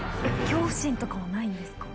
恐怖心とかはないんですか？